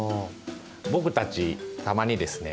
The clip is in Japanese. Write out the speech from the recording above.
僕たちたまにですね